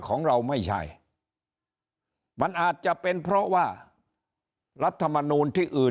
ของเราไม่ใช่มันอาจจะเป็นเพราะว่ารัฐมนูลที่อื่น